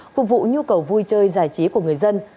phục vụ nhu cầu vui chơi giải trí của người dân